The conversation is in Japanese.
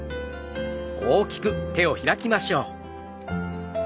大きく手を開きましょう。